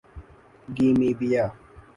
Gambia